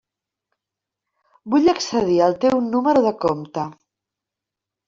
Vull accedir al teu número de compte.